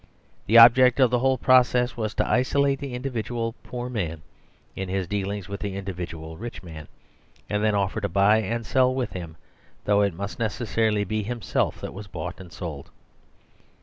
The object of the whole process was to isolate the individual poor man in his deal ings with the individual rich man; and then offer to buy and sell with him, though it must necessarily be himself that was bought and The Story of the Vow 99 sold.